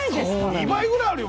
２倍ぐらいあるよ